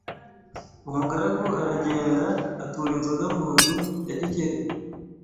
Umugaragu aragenda atura inzoga mu nzu yagikeli